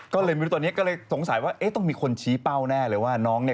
ก็เลยไม่รู้ตอนนี้ก็เลยสงสัยว่าเอ๊ะต้องมีคนชี้เป้าแน่เลยว่าน้องเนี่ย